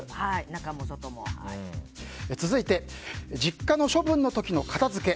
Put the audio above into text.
続いて実家の処分の時の片づけ。